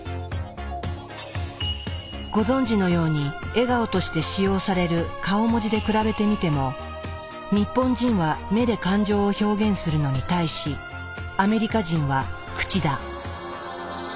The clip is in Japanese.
ご存じのように笑顔として使用される顔文字で比べてみても日本人は目で感情を表現するのに対しアメリカ人は口だ。